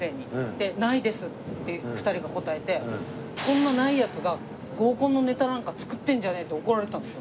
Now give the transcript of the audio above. でないですって２人が答えてそんなないやつが合コンのネタなんか作ってんじゃねえって怒られてたんです。